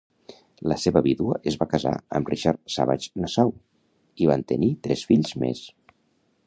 La seva vídua es va casar amb Richard Savage Nassau i van tenir tres fills més.